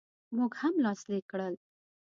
موږ هم لاسلیک کړل.